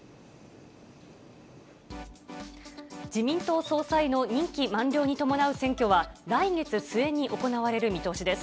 自民党総裁の任期満了に伴う選挙は、来月末に行われる見通しです。